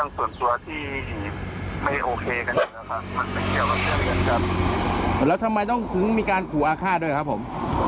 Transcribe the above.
มันเป็นเกี่ยวกับเกี่ยวกันครับแล้วทำไมต้องถึงมีการขู่อาฆาตด้วยครับผม